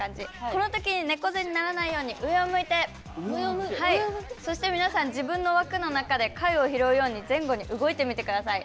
このときに猫背にならないように上を向いて、自分の枠の中で貝を拾うように前後に動いてみてください。